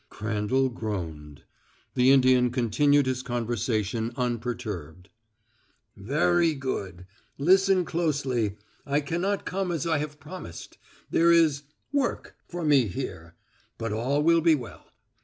Crandall groaned. The Indian continued his conversation unperturbed. "Veree good! Listen closely. I can not come as I have promised. There is work for me here. But all will be well.